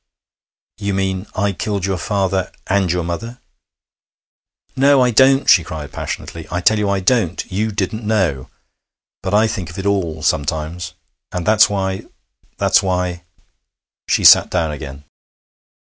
'You mean I killed your father and your mother.' 'No, I don't,' she cried passionately. 'I tell you I don't. You didn't know. But I think of it all, sometimes. And that's why that's why ' She sat down again.